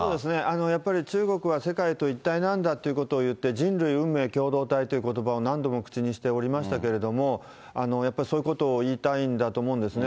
やっぱり中国は世界と一体なんだっていうことを言って、人類運命共同体ということばを何度も口にしておりましたけれども、やっぱりそういうことを言いたいんだと思うんですね。